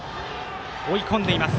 追い込んでいます。